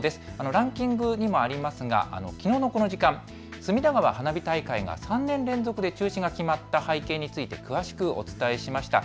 ランキングにもありますが、きのうのこの時間、隅田川花火大会が３年連続で中止が決まった背景について詳しくお伝えしました。